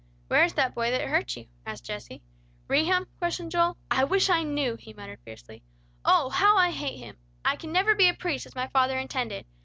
"Where is that boy that hurt you," asked Jesse. "Rehum?" questioned Joel. "I wish I knew," he muttered fiercely. "Oh, how I hate him! I can never be a priest as my father intended.